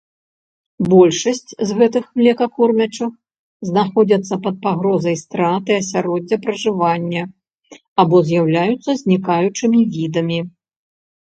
Большасць з гэтых млекакормячых знаходзяцца пад пагрозай страты асяроддзя пражывання або з'яўляюцца знікаючымі відамі.